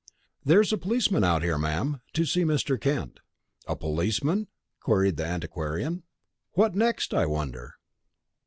"There's a policeman out here, ma'am, to see Mr. Kent." "A policeman?" queried the antiquarian. "What next, I wonder?